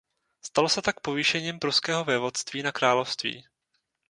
Stalo se tak povýšením pruského vévodství na království.